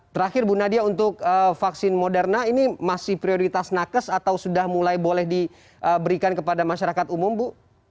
terakhir bu nadia untuk vaksin moderna ini masih prioritas nakes atau sudah mulai boleh diberikan kepada masyarakat umum bu